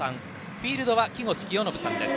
フィールドは木越清信さんです。